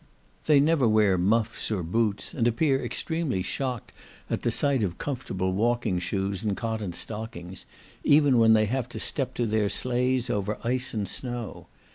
They never wear muffs or boots, and appear extremely shocked at the sight of comfortable walking shoes and cotton stockings, even when they have to step to their sleighs over ice and snow.